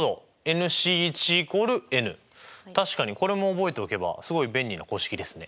確かにこれも覚えておけばすごい便利な公式ですね。